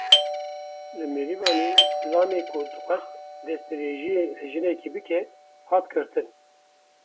Li Merîwanê zilamê ku dixwest destdirêjiyê li jinekê bike hat girtin.